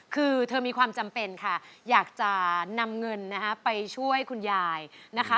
คือเธอมีความจำเป็นค่ะอยากจะนำเงินนะคะไปช่วยคุณยายนะคะ